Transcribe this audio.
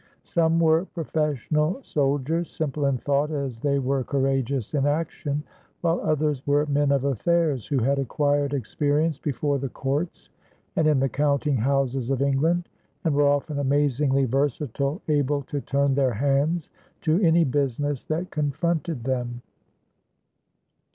Some were professional soldiers, simple in thought as they were courageous in action, while others were men of affairs, who had acquired experience before the courts and in the counting houses of England and were often amazingly versatile, able to turn their hands to any business that confronted them.